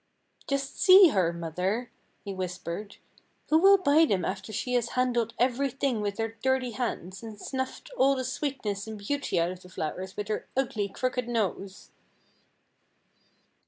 "Just see her, mother," he whispered, "who will buy them after she has handled every thing with her dirty hands, and snuffed all the sweetness and beauty out of the flowers with her ugly, crooked nose?"